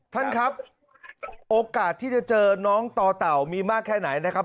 ท่านครับโอกาสที่จะเจอน้องต่อเต่ามีมากแค่ไหนนะครับ